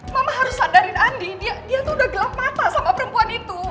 mama harus sadarin andi dia tuh udah gelap mata sama perempuan itu